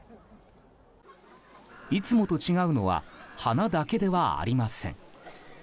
いつもと違うのは花だけではありません。